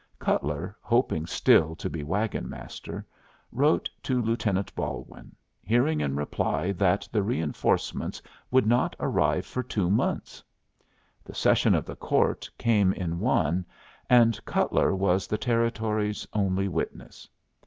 Cutler, hoping still to be wagon master, wrote to Lieutenant Balwin, hearing in reply that the reinforcements would not arrive for two months. The session of the court came in one, and Cutler was the Territory's only witness.